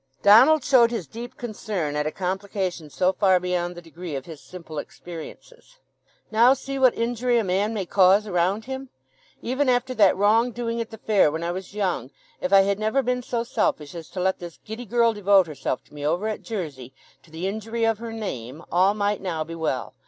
Donald showed his deep concern at a complication so far beyond the degree of his simple experiences. "Now see what injury a man may cause around him! Even after that wrong doing at the fair when I was young, if I had never been so selfish as to let this giddy girl devote herself to me over at Jersey, to the injury of her name, all might now be well.